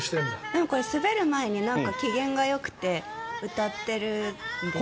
滑る前に機嫌がよくて歌っているんですね。